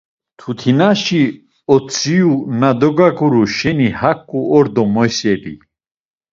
Mtutinaşi otziyu na dogaguru şeni haǩu ordo moyselii?